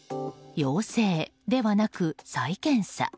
陽性ではなく再検査。